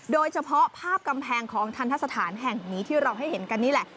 โดยเฉพาะภาพกำแพงของทันทะสถานแห่งนี้ที่เราให้เห็นกันนี่แหละ